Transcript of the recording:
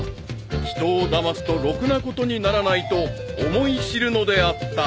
［人をだますとろくなことにならないと思い知るのであった］